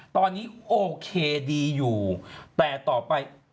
ตอนนี้โอเคดีอยู่แต่ต่อไป